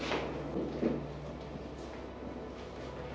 di subhistan gegendak